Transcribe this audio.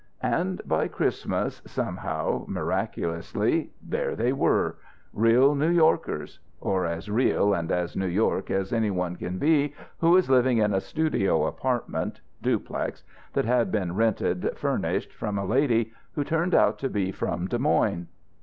And by Christmas, somehow, miraculously, there they were, real New Yorkers; or as real and as New York as anyone can be who is living in a studio apartment (duplex) that has been rented (furnished) from a lady who turned out to be from Des Moines.